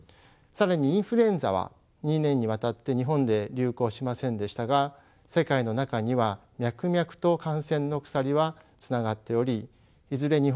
更にインフルエンザは２年にわたって日本で流行しませんでしたが世界の中には脈々と感染の鎖はつながっておりいずれ